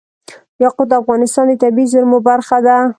یاقوت د افغانستان د طبیعي زیرمو برخه ده.